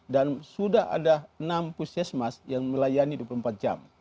dan sudah ada enam puskesmas yang melayani dua puluh empat jam